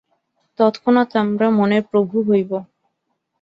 তৎক্ষণাৎ আমরা মনের প্রভু হইব।